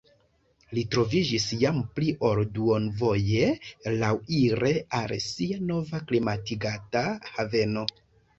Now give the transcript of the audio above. Li troviĝis jam pli ol duonvoje laŭire al sia nova klimatigata haveno.